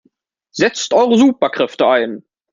Setzt eure Superkräfte ein!